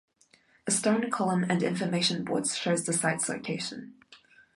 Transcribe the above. A stone column and information boards show the site’s location.